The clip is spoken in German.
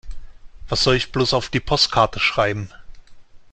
Was soll ich bloß auf die Postkarte schreiben?